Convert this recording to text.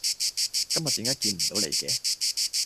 今日點解見唔到你嘅